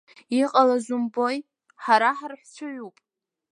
Иҟалаз умбои, ҳара ҳарҳәыҩцәоуп.